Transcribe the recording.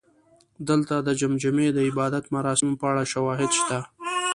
دلته د جمجمې د عبادت مراسمو په اړه شواهد شته